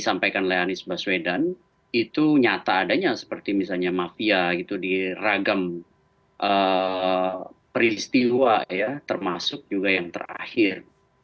disampaikan oleh anies baswedan itu nyata adanya seperti misalnya mafia gitu di ragam peristiwa ya termasuk juga yang terakhir